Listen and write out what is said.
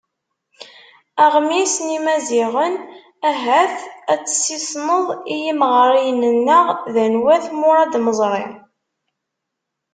Aɣmis n Yimaziɣen: Ahat ad tessisneḍ i yimeɣriyen-nneɣ d anwa-t Muṛad Meẓri?